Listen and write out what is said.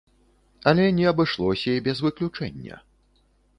Але не абышлося і без выключэння.